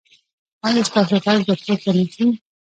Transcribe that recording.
ایا ستاسو غږ به پورته نه شي؟